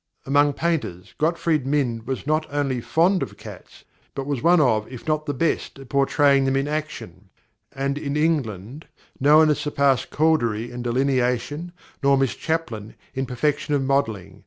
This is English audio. Among painters, Gottfried Mind was not only fond of cats, but was one of, if not the best at portraying them in action; and in England no one has surpassed Couldery in delineation, nor Miss Chaplin in perfection of modelling.